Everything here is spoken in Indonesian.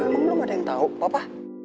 emang belum ada yang tau papa